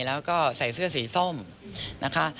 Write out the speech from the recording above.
แล้วก็ใส่เสื้อสีส้มนะคะ